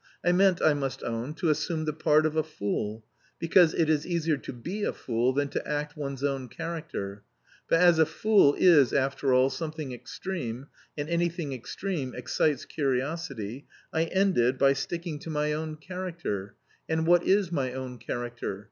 I meant, I must own, to assume the part of a fool, because it is easier to be a fool than to act one's own character; but as a fool is after all something extreme, and anything extreme excites curiosity, I ended by sticking to my own character. And what is my own character?